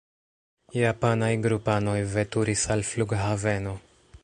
Japanaj grupanoj veturis al flughaveno.